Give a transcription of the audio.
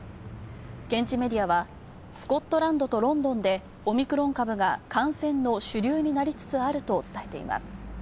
現地メディアは「スコットランドとロンドンでオミクロン株が感染の主流になりつつある」と伝えています。